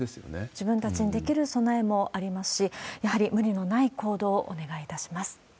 自分たちにできる備えもありますし、やはり無理のない行動をお願いいたします。